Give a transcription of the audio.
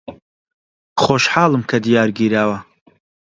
خۆشحاڵم کە دیار گیراوە.